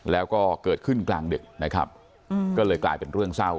แล้วก็เกิดขึ้นกลางดึกนะครับก็เลยกลายเป็นเรื่องเศร้า